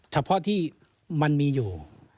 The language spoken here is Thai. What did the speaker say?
เฉพาะที่มันมีอยู่